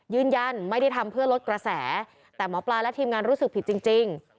ยืนยันไม่ได้ทำเพื่อลดกระแสแต่หมอปลาและทีมงานรู้สึกผิดจริง